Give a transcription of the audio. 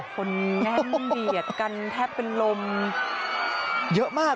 คนแน่นเหลียดกันแทบเป็นลม